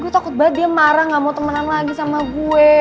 gue takut banget dia marah gak mau temenan lagi sama gue